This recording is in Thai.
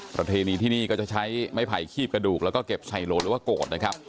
ประเพณีที่นี่ก็จะใช้ไม้ไผ่คีบกระดูกแล้วก็เก็บใส่โหลหรือว่าโกรธนะครับ